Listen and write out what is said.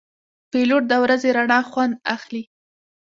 پیلوټ د ورځې رڼا خوند اخلي.